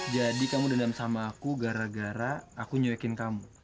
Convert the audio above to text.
jadi kamu dendam sama aku gara gara aku nyewekin kamu